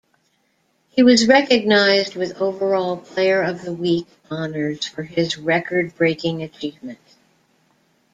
He was recognized with Overall Player of the Week Honors for his record-breaking achievement.